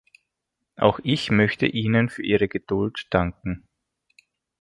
Auch ich möchte Ihnen für Ihre Geduld danken.